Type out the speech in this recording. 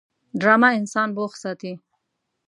ډرامه انسان بوخت ساتي